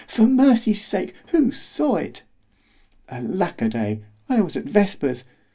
for mercy's sake, who saw it? Alack o'day! I was at vespers!